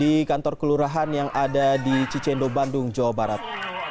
di kantor kelurahan yang ada di cicendo bandung jawa barat